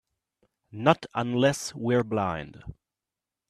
Not unless we're blind.